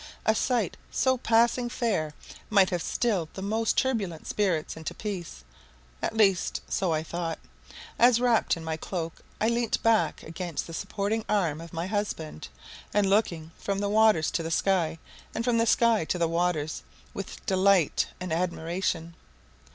A sight so passing fair might have stilled the most turbulent spirits into peace; at least so I thought, as, wrapped in my cloak, I leant back against the supporting arm of my husband, and looking from the waters to the sky, and from the sky to the waters, with delight and admiration.